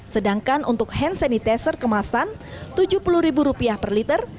sedangkan untuk hand sanitizer kemasan rp tujuh puluh per liter